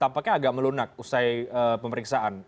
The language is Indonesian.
tampaknya agak melunak usai pemeriksaan